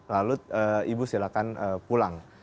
lalu ibu silahkan pulang